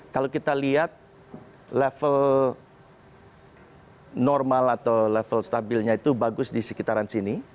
kalau kita lihat level normal atau level stabilnya itu bagus di sekitaran sini